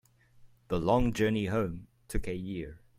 The long journey home took a year.